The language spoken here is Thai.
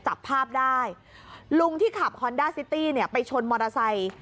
จับภาพได้ลุงที่ขับฮอนด้าซิตี้เนี่ยไปชนมอเตอร์ไซค์